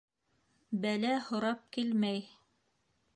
Бәлә һорап килмәй.